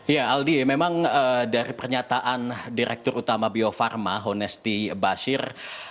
ya aldi memang dari pernyataan direktur utama bio farma honesty bashir